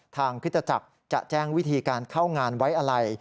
คริสตจักรจะแจ้งวิธีการเข้างานไว้อะไร